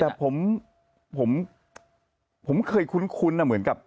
แต่ผมเหมือนกับ